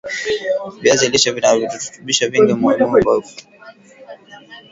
viazi lishe vina virutubisho vingi muhimi kwa afya